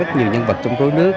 rất nhiều nhân vật trong rối nước